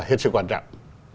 hết sự quan trọng